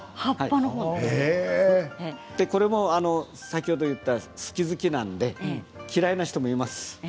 これも先ほど言ったように好き好きなので嫌いな人もいます。